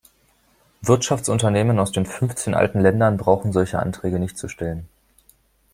Wirtschaftsunternehmen aus den fünfzehn alten Ländern brauchen solche Anträge nicht zu stellen.